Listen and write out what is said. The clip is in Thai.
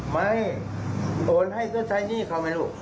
ไม่โอนให้ก็ใช้หนี้เขาไหมลูก